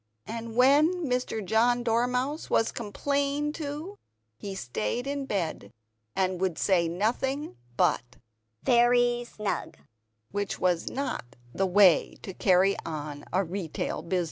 And when Mr. John Dormouse was complained to, he stayed in bed, and would say nothing but "very snug;" which is not the way to carry on a retail business.